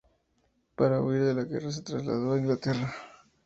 Para huir de la guerra se trasladó a Inglaterra.